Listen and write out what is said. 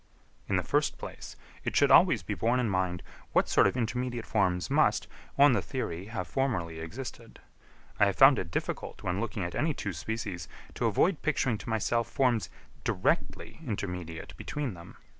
In the first place, it should always be borne in mind what sort of intermediate forms must, on the theory, have formerly existed. I have found it difficult, when looking at any two species, to avoid picturing to myself forms directly intermediate between them.